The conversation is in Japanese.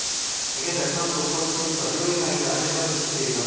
現在、関東甲信越は広い範囲で雨が降っています。